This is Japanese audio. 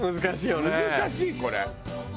難しいこれ。